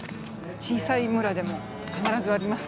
小さい村でも必ずあります。